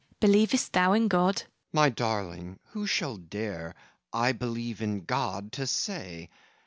Believest thou in God? FAUST My darling, who shall dare "I believe in God!" to say?